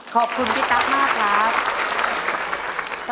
ขอบคุณพี่ตั๊กมากครับ